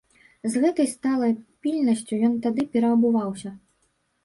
З гэтакай сталай пільнасцю ён тады пераабуваўся.